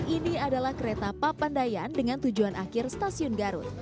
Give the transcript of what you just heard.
ini adalah kereta papandayan dengan tujuan akhir stasiun garut